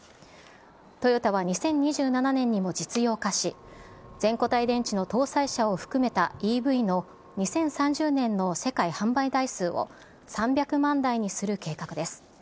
トヨタは２０２７年にも実用化し、全固体電池の搭載車を含めたＥＶの２０３０年の世界販売台数を３００万台にする計画です。